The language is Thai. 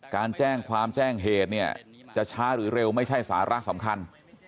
การแจ้งความแจ้งเหตุเนี่ยจะช้าหรือเร็วไม่ใช่สาระสำคัญ